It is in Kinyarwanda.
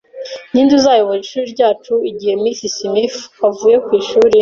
Ninde uzayobora ishuri ryacu igihe Miss Smith avuye ku ishuri?